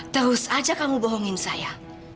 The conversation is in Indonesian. terus aja kamu bohongin saya